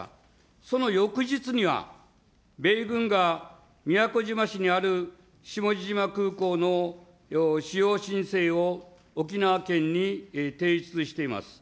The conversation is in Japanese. その翌日には、米軍が宮古島市にある下地島空港の使用申請を沖縄県に提出しています。